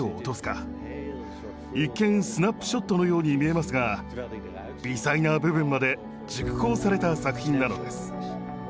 一見スナップショットのように見えますが微細な部分まで熟考された作品なのです。